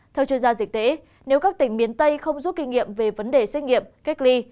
theo chuyên gia dịch tễ nếu các tỉnh miền tây không rút kinh nghiệm về vấn đề xét nghiệm cách ly